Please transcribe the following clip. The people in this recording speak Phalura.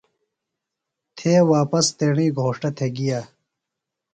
تھےۡ واپس تیݨی گھوݜٹہ تھےۡ گِیہ ۔